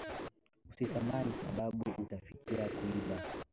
Usi tamani sababu uta fikia kuiba